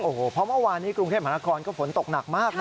โอ้โหเพราะเมื่อวานนี้กรุงเทพมหานครก็ฝนตกหนักมากนะ